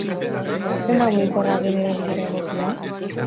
Zein da mugikorraren erabilera egokia?